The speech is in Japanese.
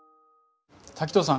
滝藤さん